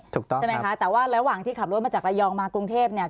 ถูกต้องใช่ไหมคะแต่ว่าระหว่างที่ขับรถมาจากระยองมากรุงเทพเนี่ย